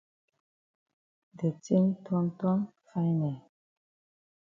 De tin ton ton fine eh.